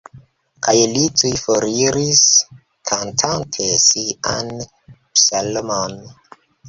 Kaj li tuj foriris, kantante sian psalmon.